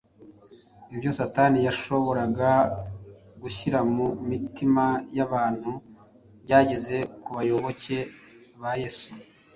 ibyo Satani yashoboraga gushyira mu mitima y’abantu byageze ku bayoboke ba Yesu.